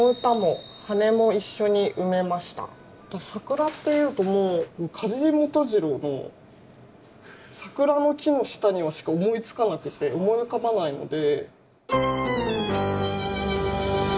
「桜」っていうともう梶井基次郎の「桜の樹の下には」しか思いつかなくて思い浮かばないので。